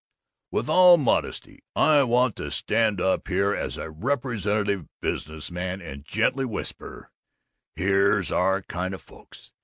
"'With all modesty, I want to stand up here as a representative business man and gently whisper, "Here's our kind of folks!